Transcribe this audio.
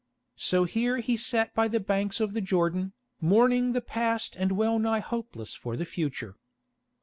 So here he sat by the banks of the Jordan, mourning the past and well nigh hopeless for the future.